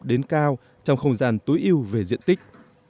đến cao trong không gian tối ưu về diện tích